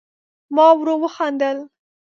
ما ورو وخندل